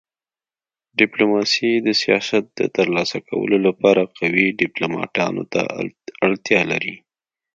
ډيپلوماسي د سیاست د تر لاسه کولو لپاره قوي ډيپلوماتانو ته اړتیا لري.